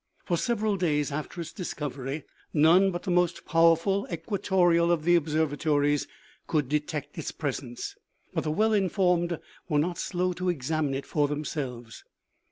For several days after its discovery, none but the most power ful equatorials of the ob servatories could detect its presence. But the well informed were not slow to examine it for themselves.